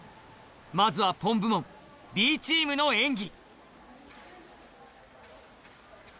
・まずは Ｐｏｍ 部門 Ｂ チームの演技